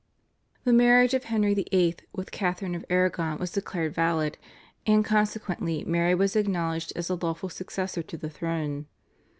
The marriage of Henry VIII. with Catharine of Aragon was declared valid, and consequently Mary was acknowledged as the lawful successor to the throne.